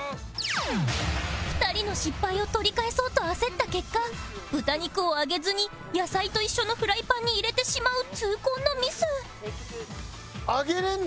２人の失敗を取り返そうと焦った結果豚肉を揚げずに野菜と一緒のフライパンに入れてしまう痛恨のミス